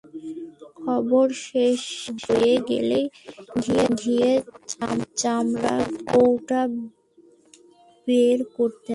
খাবার শেষ হয়ে গেলে ঘিয়ের চামড়ার কৌটা বের করতেন।